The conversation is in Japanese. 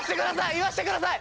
言わせてください。